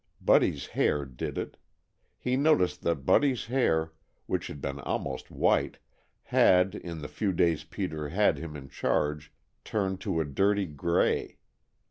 Buddy's hair did it. He noticed that Buddy's hair, which had been almost white, had, in the few days Peter had had him in charge, turned to a dirty gray.